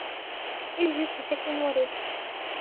اجلس بشكل مريح.